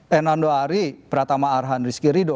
hernando ari pratama arhan rizky rido